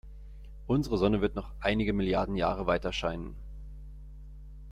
Unsere Sonne wird noch einige Milliarden Jahre weiterscheinen.